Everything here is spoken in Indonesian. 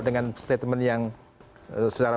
dengan statement yang secara